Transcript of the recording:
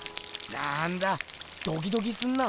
なんだドキドキすんな。